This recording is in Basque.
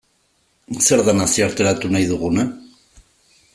Zer da nazioarteratu nahi duguna?